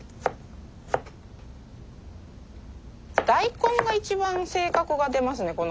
大根が一番性格が出ますね